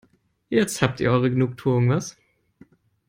Jetzt habt ihr eure Genugtuung, was?